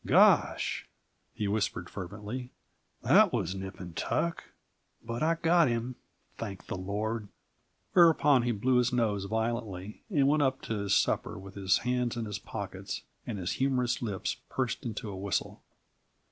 "Gosh!" he whispered fervently. "That was nip and tuck but I got him, thank the Lord!" Whereupon he blew his nose violently, and went up to his supper with his hands in his pockets and his humorous lips pursed into a whistle.